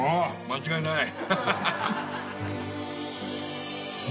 間違いない。